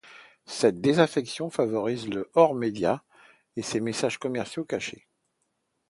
Cette désaffection favorise le hors-média et ses messages commerciaux cachés.